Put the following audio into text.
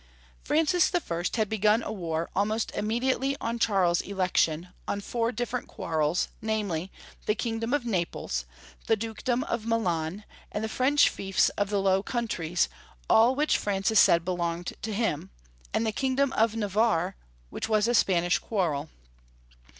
Francis I. had begun a war almost immediately on Charles's election, on four different quarrels, namely, the kingdom of Naples, the dukedom of MUan, and the French fiefs of the Low Countries, all which Francis said belonged to him, and the kingdom of Navarre, which Avas a Spanish quarrel.